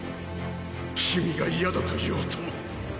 君が嫌だと言おうとも！